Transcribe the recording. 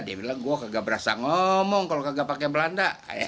dia bilang gue gak berasa ngomong kalau gak pakai belanda